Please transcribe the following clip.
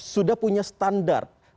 sudah punya standar